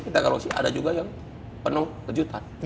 kita kalau sih ada juga yang penuh kejutan